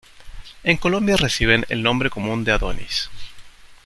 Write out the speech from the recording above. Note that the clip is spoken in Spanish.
En Colombia reciben el nombre común de adonis.